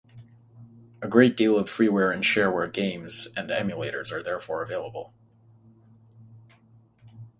A great deal of freeware and shareware games and emulators are therefore available.